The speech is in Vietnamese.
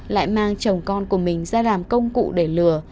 lại mang chồng con của mình ra làm công cụ để lừa